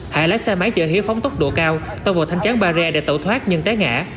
hải lấy xe máy chở hiếu phóng tốc độ cao tăng vào thanh chán barrier để tẩu thoát nhưng té ngã